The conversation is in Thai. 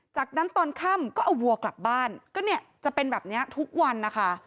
จากนั้นตอนค่ำก็เอาวัวกลับบ้านก็เนี่ยจะเป็นแบบนี้ทุกวันนะคะ